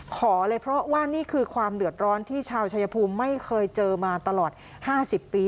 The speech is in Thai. ขอเลยเพราะว่านี่คือความเดือดร้อนที่ชาวชายภูมิไม่เคยเจอมาตลอด๕๐ปี